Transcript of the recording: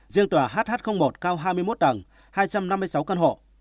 riêng tòa hh một cao hai mươi một đằng hai trăm năm mươi sáu căn hộ